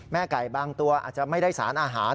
ไก่บางตัวอาจจะไม่ได้สารอาหาร